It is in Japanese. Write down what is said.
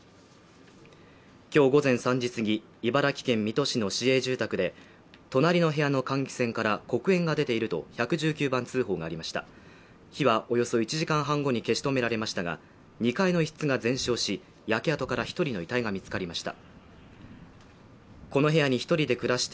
今日午前３時過ぎ茨城県水戸市の市営住宅で隣の部屋の換気扇から黒煙が出ていると１１９番通報がありました火はおよそ１時間半後に消し止められましたが２階の一室が全焼し焼け跡から一人の遺体が見つかりました